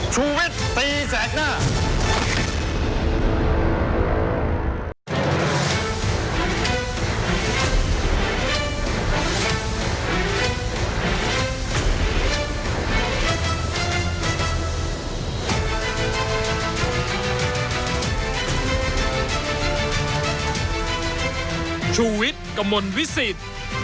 ชุวิตตีแสดหน้า